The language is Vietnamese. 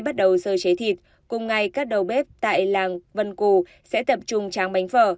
bắt đầu sơ chế thịt cùng ngày các đầu bếp tại làng vân cù sẽ tập trung trang bánh phở